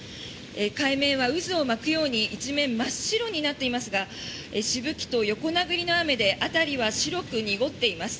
海面は渦を巻くように一面真っ白になっていますがしぶきと横殴りの雨で辺りは白く濁っています。